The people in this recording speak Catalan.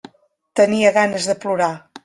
Tenia ganes de plorar.